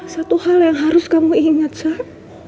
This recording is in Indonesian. satu hal yang harus kamu ingat sar